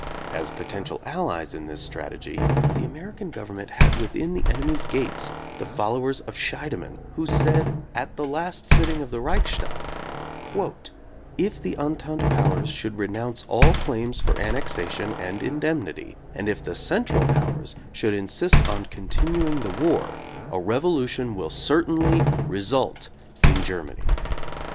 As potential allies in this strategy the American government had within the enemies' gates the fol lowers of Scheidemann who said at the last sitting of the Reichstag: "If the Entente Powers should renounce all claims for annexation and indemnity and if the Central Powers should insist on con tinuing the war, a revolution will certainly result in Germany."